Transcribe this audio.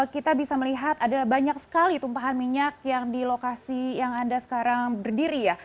kita bisa melihat ada banyak sekali tumpahan minyak yang di lokasi yang anda sekarang berdiri ya